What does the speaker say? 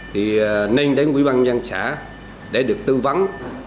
thì nên đến quỹ ban dân xã để được tư vấn